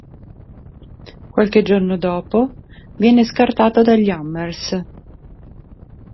Qualche giorno dopo viene scartato dagli "Hammers".